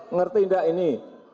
ngerti ndak ini